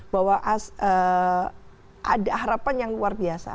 bahwa ada harapan yang luar biasa